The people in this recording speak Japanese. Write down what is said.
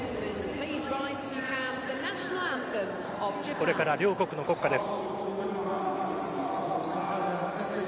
これから両国の国歌です。